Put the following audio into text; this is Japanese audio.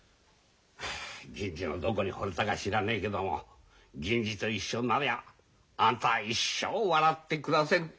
銀次のどこにほれたか知らねえけども銀次と一緒になりゃあんたは一生笑って暮らせる。